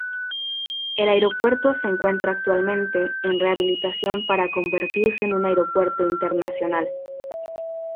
El aeropuerto se encuentra actualmente en rehabilitación para convertirse en un aeropuerto internacional.